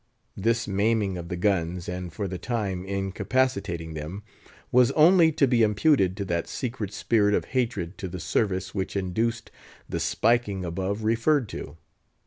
This maiming of the guns, and for the time incapacitating them, was only to be imputed to that secret spirit of hatred to the service which induced the spiking above referred to.